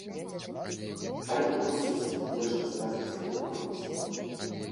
А яна просіць нешта сказаць па-беларуску.